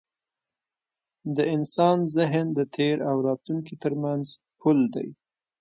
د انسان ذهن د تېر او راتلونکي تر منځ پُل دی.